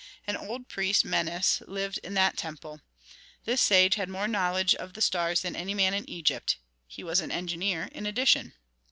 An old priest Menes lived in that temple. This sage had more knowledge of the stars than any man in Egypt; he was an engineer in addition.